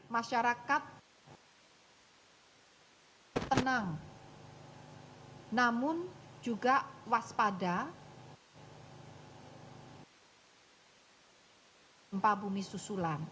masyarakat tenang namun juga waspada gempa bumi susulan